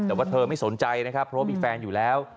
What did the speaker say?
แต่ว่าเธอไม่สนใจนะครับเพราะว่ามีแฟนอยู่แล้ว